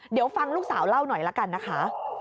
เดี๋ยวฟังลูกสาวเล่าหน่อยละกันนะคะ